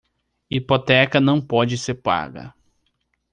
Hipoteca não pode ser paga